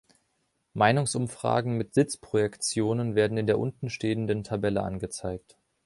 Meinungsumfragen mit Sitzprojektionen werden in der untenstehenden Tabelle angezeigt.